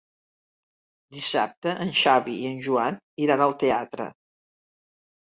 Dissabte en Xavi i en Joan iran al teatre.